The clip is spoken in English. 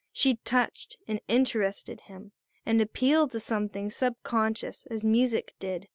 She touched and interested him, and appealed to something sub conscious, as music did.